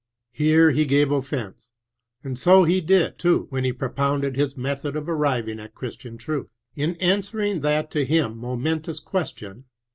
Here he gave offence, and so he did, too, when he propounded his method of airiving at Chris tian truth. In answering that to him mo mentous question.